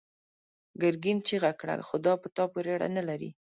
ګرګين چيغه کړه: خو دا په تا پورې اړه نه لري!